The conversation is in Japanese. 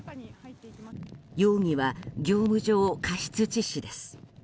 容疑は業務上過失致死です。